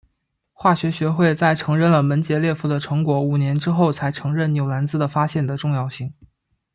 化学学会在承认了门捷列夫的成果五年之后才承认纽兰兹的发现的重要性。